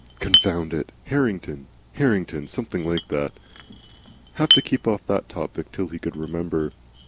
Confound it! Harringon, Hartington something like that. Have to keep off that topic until he could remember.